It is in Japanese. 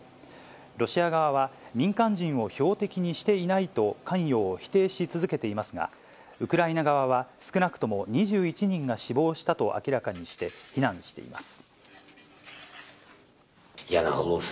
ロシア側は、民間人を標的にしていないと、関与を否定し続けていますが、ウクライナ側は少なくとも２１人が死亡したと明らかにして、非難しています。